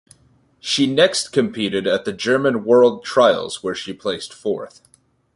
She next competed at the German World Trials where she placed fourth.